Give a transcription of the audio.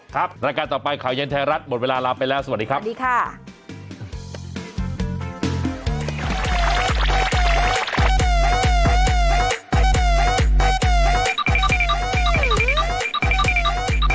รายการต่อไปข่าวเย็นแท้รัฐหมดเวลาลาไปแล้วสวัสดีครับ